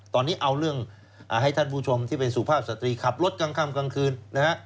ตอนนี้เอาเรื่องให้ท่านผู้ชมที่เป็นสุภาพสตรีขับรถกลางค่ำกลางคืนนะฮะ